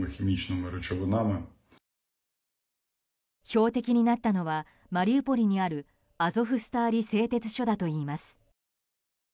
標的になったのはマリウポリにあるアゾフスターリ製鉄所だといいます。